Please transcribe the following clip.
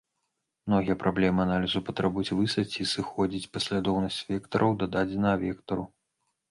Многія праблемы аналізу патрабуюць высветліць, ці сыходзіцца паслядоўнасць вектараў да дадзенага вектару.